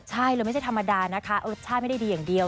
ใช่เลยไม่ใช่ธรรมดานะคะรสชาติไม่ได้ดีอย่างเดียว